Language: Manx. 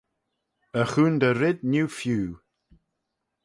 Y choontey red neu-feeu.